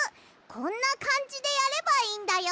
こんなかんじでやればいいんだよ。